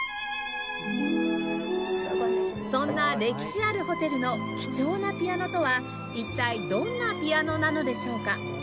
そんな歴史あるホテルの貴重なピアノとは一体どんなピアノなのでしょうか？